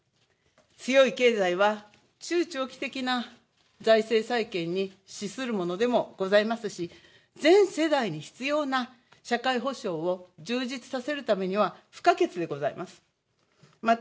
強い経済は中長期的な財政再建に資するものでもございますし全世代に必要な社会保障を充実させるためには、不可欠でございます。